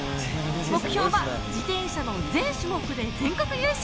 目標は自転車の全種目で全国優勝！